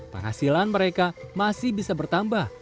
penghasilan mereka masih bisa bertambah